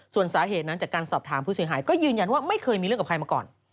ส่วนสาเหตุนั้นจากการสอบถามผู้เสียหายก็ยืนยันว่าไม่เคยมีเรื่องกับใครมาก่อน